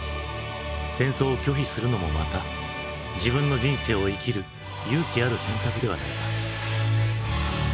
戦争を拒否するのもまた自分の人生を生きる勇気ある選択ではないか。